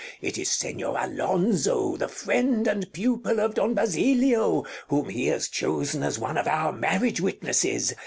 It is Señor Alonzo, the friend and pupil of Don Basilio, whom he has chosen as one of our marriage witnesses.